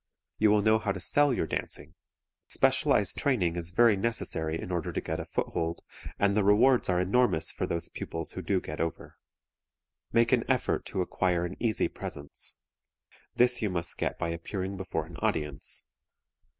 You will know how to sell your dancing. Specialized training is very necessary in order to get a foothold, and the rewards are enormous for those pupils who do get over. Make an effort to acquire an easy presence. This you must get by appearing before an audience.